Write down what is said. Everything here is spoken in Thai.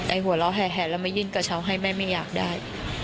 หัวเราะแห่แล้วมายื่นกระเช้าให้แม่ไม่อยากได้